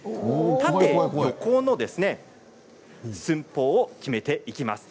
縦横の寸法を決めていきます。